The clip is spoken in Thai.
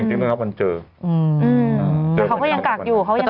เอิ่มแต่เขาก็ยังกลากอยู่